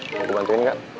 mau kubantuin gak